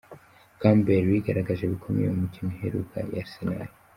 Campbell yigaragaje bikomeye mu mikino iheruka ya Arsenal.